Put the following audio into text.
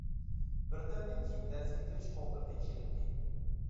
بىر دەمدىن كېيىن دەرسكە كىرىش قوڭغۇرىقى چېلىندى.